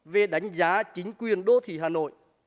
về đánh giá chính quyền đô thị hà nội